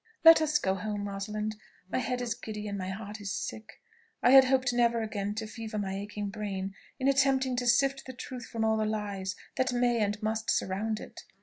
"Let us go home, Rosalind; my head is giddy and my heart is sick. I had hoped never again to fever my aching brain in attempting to sift the truth from all the lies that may and must surround it.